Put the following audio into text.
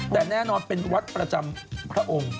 แต่แน่นอนเป็นวัดประจำพระองค์